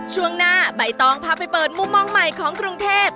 ช่วงหน้าใบตองพาไปเปิดมุมมองใหม่ของกรุงเทพ